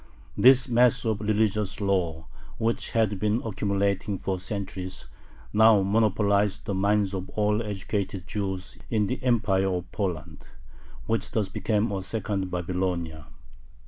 This mass of religious lore, which had been accumulating for centuries, now monopolized the minds of all educated Jews in the empire of Poland, which thus became a second Babylonia.